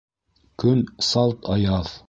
Көн салт аяҙ.